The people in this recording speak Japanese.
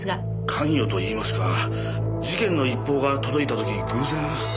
関与といいますか事件の一報が届いた時偶然。